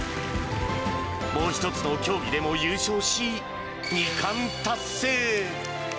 もう一つの競技でも優勝し、２冠達成。